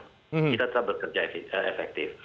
kita tetap bekerja efektif